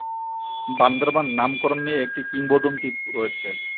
বান্দরবান নামকরণ নিয়ে একটি কিংবদন্তি রয়েছে।